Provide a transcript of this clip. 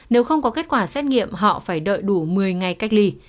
nếu không có kết quả xét nghiệm họ phải đợi đủ một mươi ngày cách ly